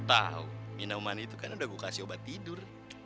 tahu minuman itu kan udah gue kasih obat tidur